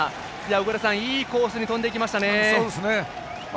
小倉さん、いいコースに飛んでいきましたね。